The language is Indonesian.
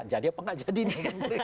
jadi apa nggak jadi nih